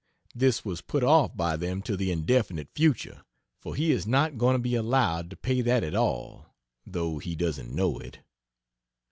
This was put off by them to the indefinite future, for he is not going to be allowed to pay that at all, though he doesn't know it.